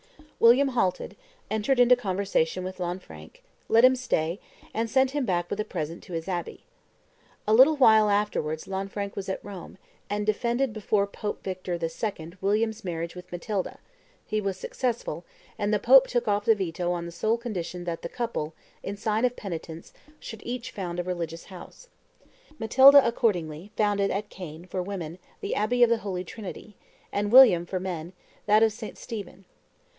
William halted, entered into conversation with Lanfranc, let him stay, and sent him back with a present to his abbey. A little while afterwards Lanfranc was at Rome, and defended before Pope Victor II. William's marriage with Matilda: he was successful, and the pope took off the veto on the sole condition that the couple, in sign of penitence, should each found a religious house. Matilda, accordingly, founded at Caen, for women, the abbey of the Holy Trinity; and William, for men, that of St. Stephen.